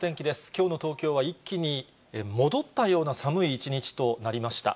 きょうの東京は一気に戻ったような寒い一日となりました。